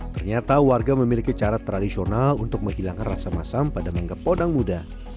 ternyata warga memiliki cara tradisional untuk menghilangkan rasa masam pada mangga podang muda